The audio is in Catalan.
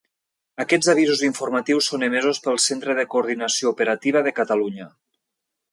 Aquests avisos informatius són emesos pel Centre de Coordinació Operativa de Catalunya.